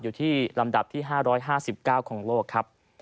อยู่ที่ลำดับที่๕๕๙ของโลกครับ